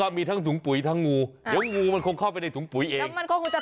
มีทั้งถุงปุ๋ยทั้งงูเดี๋ยวงูมันคงเข้าไปในถุงปุ๋ยเอง